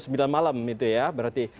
oh jam sembilan malam itu ya berarti